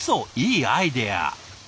いいアイデア。